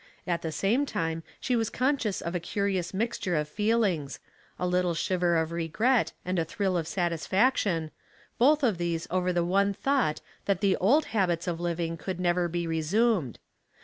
At the same time she was conscious of a curious mixture of feelinGfs — a little shiver of recjret, and a thrill of satisfaction — both of these over the one thoucrht that the old habits of living^ could never be resumed.